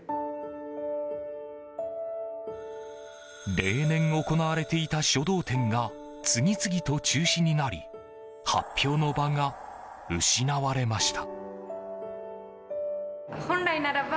例年行われていた書道展が次々と中止になり発表の場が失われました。